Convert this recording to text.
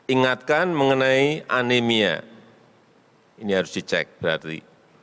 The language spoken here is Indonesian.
ingatkan mengenai anemia ini harus dicek berarti